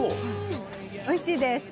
おいしいです。